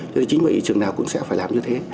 thế thì chính vậy trường nào cũng sẽ phải làm như thế